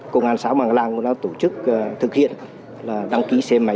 công an xã mạng lăng cũng đã tổ chức thực hiện hồ sơ đăng ký xe máy